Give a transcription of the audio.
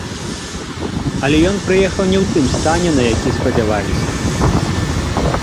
Але ён прыехаў не ў тым стане, на які спадзяваліся.